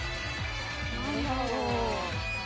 何だろう？